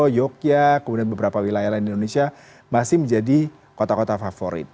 yogyakarta kemudian beberapa wilayah lain di indonesia masih menjadi kota kota favorit